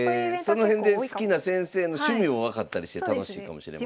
その辺で好きな先生の趣味も分かったりして楽しいかもしれません。